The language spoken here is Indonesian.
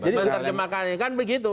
bentar jemakannya kan begitu